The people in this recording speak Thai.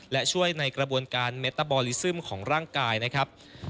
และช่วยในกระบวนการเมตตาบอลิซึมของร่างกายนะครับ